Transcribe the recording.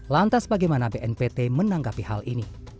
lantas bagaimana bnpt menanggapi hal ini